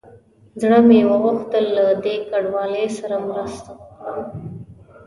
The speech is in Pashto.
زړه مې وغوښتل له دې کنډوالې سره مرسته وکړم.